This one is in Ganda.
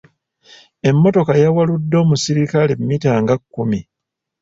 Emmotoka yawaludde omusirikale mmita nga kkumi.